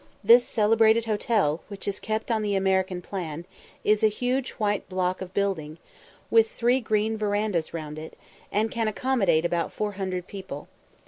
This celebrated hotel, which is kept on the American plan, is a huge white block of building, with three green verandahs round it, and can accommodate about four hundred people.